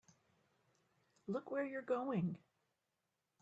Look where you're going!